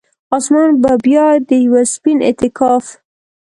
اسمان به بیا د یوه سپین اعتکاف،